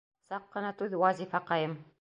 Саҡ ҡына түҙ, Вазифаҡайым.